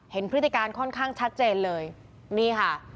พฤติการค่อนข้างชัดเจนเลยนี่ค่ะ